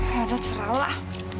ya udah serahlah